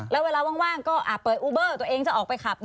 แล้วเวลาว่างก็เปิดอูเบอร์ตัวเองจะออกไปขับ